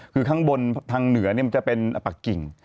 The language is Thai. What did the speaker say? คือข้างบนทางเหนือมันจะเป็นปากกิ่ง